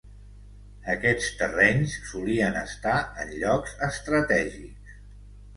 Aquests terrenys solien estar en llocs estratègics.